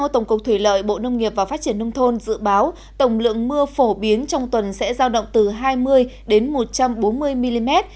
tổng cục thủy lợi bộ nông nghiệp và phát triển nông thôn dự báo tổng lượng mưa phổ biến trong tuần sẽ giao động từ hai mươi đến một trăm bốn mươi mm